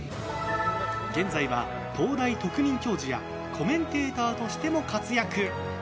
現在は東大特任教授やコメンテーターとしても活躍。